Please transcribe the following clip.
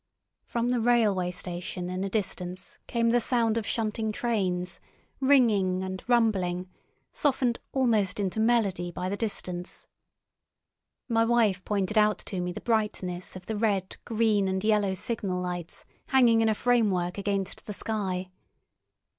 From the railway station in the distance came the sound of shunting trains, ringing and rumbling, softened almost into melody by the distance. My wife pointed out to me the brightness of the red, green, and yellow signal lights hanging in a framework against the sky.